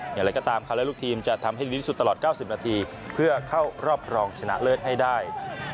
อย่างไรก็ตามเขาและลูกทีมจะทำให้ดีที่สุดตลอด๙๐นาทีเพื่อเข้ารอบรองชนะเลิศให้ได้